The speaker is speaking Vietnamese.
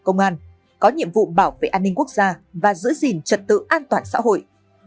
công an có nhiệm vụ bảo vệ an ninh quốc gia và giữ gìn trật tự an toàn xã hội